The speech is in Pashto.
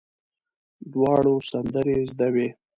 دواړو سندرې زده وې.